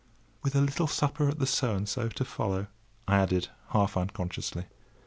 "With a little supper at the to follow," I added, half unconsciously.